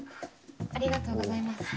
ありがとうございます。